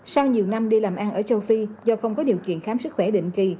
sau nhiều năm đi làm ăn ở châu phi do không có điều kiện khám sức khỏe định kỳ